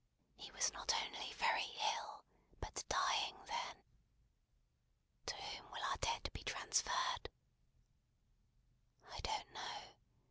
He was not only very ill, but dying, then." "To whom will our debt be transferred?" "I don't know.